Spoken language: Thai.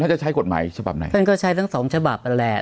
จะใช้กฎหมายฉบับไหนท่านก็ใช้ทั้งสองฉบับนั่นแหละ